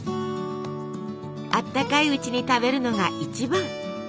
あったかいうちに食べるのが一番。